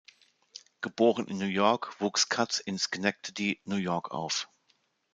Geboren in New York, wuchs Katz in Schenectady, New York auf.